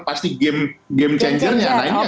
pasti game changernya